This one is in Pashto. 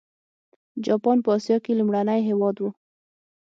جاپان په اسیا کې لومړنی هېواد و.